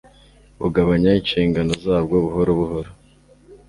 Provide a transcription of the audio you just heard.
bugabanya inshingano zabwo buhoro buhoro